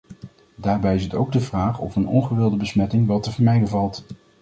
Daarbij is het ook de vraag of een ongewilde besmetting wel te vermijden valt.